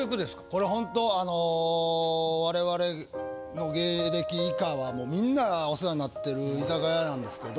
これホントあのわれわれの芸歴以下はみんなお世話になってる居酒屋なんですけど。